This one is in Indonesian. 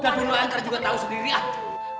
udah bunuh entar juga tau sendiri ah